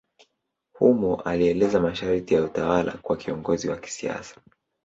Humo alieleza masharti ya utawala kwa kiongozi wa kisiasa.